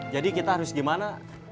jadi kita harus gimana